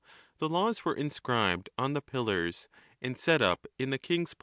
The laws were inscribed on the pillars, 1 and set up in the King's Porch, 1 i.